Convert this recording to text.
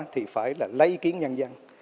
thì phải là lấy kiến nhân dân